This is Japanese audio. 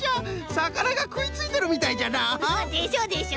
さかながくいついてるみたいじゃな。でしょ？でしょ？